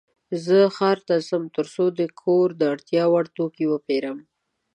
زه ښار ته ځم ترڅو د کور د اړتیا وړ توکې وپيرم.